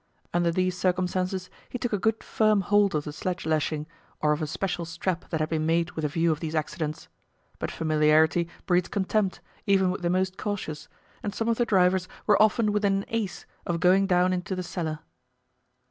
Under these circumstances he took a good, firm hold of the sledge lashing, or of a special strap that had been made with a view to these accidents. But familiarity breeds contempt, even with the most cautious, and some of the drivers were often within an ace of going down into "the cellar."